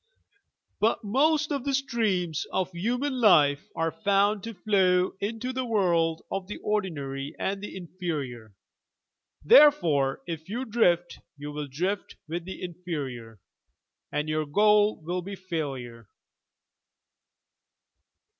But most of the streams of human life are found to flow into the world of the ordinary and the inferior. Therefore if you drift you will drift with the inferior, and your goal will be failure."